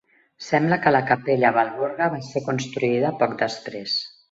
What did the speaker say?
Sembla que la "Capella Walburga" va ser construïda poc després.